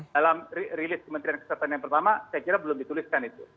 dalam rilis kementerian kesehatan yang pertama saya kira belum dituliskan itu